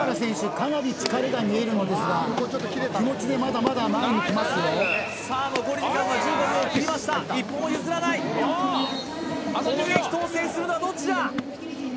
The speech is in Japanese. かなり疲れが見えるんですが気持ちでまだまだ前に来ますよさあ残り時間は１５秒を切りました一歩も譲らないこの激闘を制するのはどっちだ